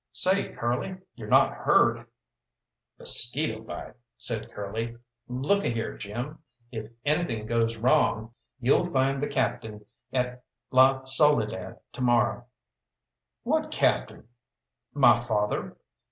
"Say, Curly, you're not hurt?" "Mosquito bite," said Curly; "look a here, Jim. If anything goes wrong, you'll find the captain at La Soledad to morrow." "What captain?" "My father.